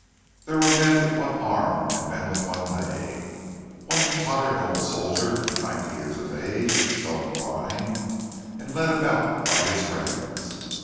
There were men with one arm and men with one leg—one tottering old soldier ninety years of age, stone blind, and led about by his friends.